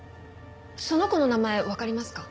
その子の名前わかりますか？